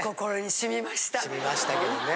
しみましたけどね。